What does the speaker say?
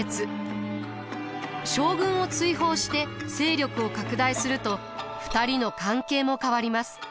将軍を追放して勢力を拡大すると２人の関係も変わります。